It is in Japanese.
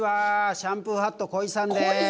シャンプーハット恋さんです。